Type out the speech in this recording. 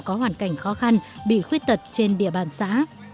có hoàn cảnh khó khăn bị khuyết tật trên địa bàn xã